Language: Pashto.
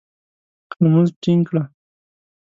لمونځ ټینګ کړه !